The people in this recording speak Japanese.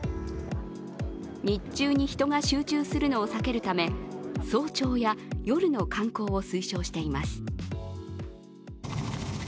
日中に人が集中するのを避けるため早朝や夜の観光を推奨しています。